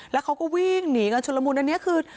แล้วเขาก็วิ่งหนีกันชุดละมุนอันนี้คือ